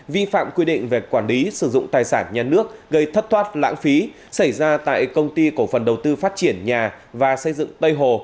vi phạm quy định về quản lý sử dụng tài sản nhà nước gây thất thoát lãng phí xảy ra tại công ty cổ phần đầu tư phát triển nhà và xây dựng tây hồ